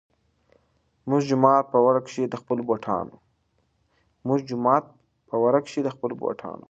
مونږ جومات پۀ ورۀ کښې د خپلو بوټانو